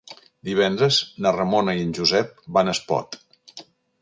Divendres na Ramona i en Josep van a Espot.